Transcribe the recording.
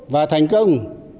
và thành công